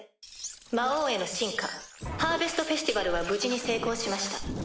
魔王への進化ハーベストフェスティバルは無事に成功しました。